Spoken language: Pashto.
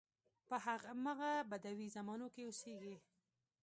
په همغه بدوي زمانو کې اوسېږي.